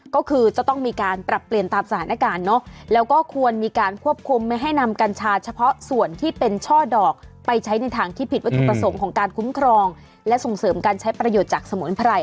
ก็คือจะต้องมีการปรับเปลี่ยนตามสถานการณ์เนอะแล้วก็ควรมีการควบคุมไม่ให้นำกัญชาเฉพาะส่วนที่เป็นช่อดอกไปใช้ในทางที่ผิดวัตถุประสงค์ของการคุ้มครองและส่งเสริมการใช้ประโยชน์จากสมุนไพร